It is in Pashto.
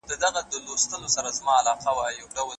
دوې کښتۍ مي وې نجات ته درلېږلي